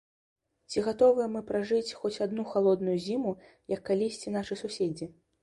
Ці гатовыя мы пражыць хоць адну халодную зіму, як калісьці нашы суседзі?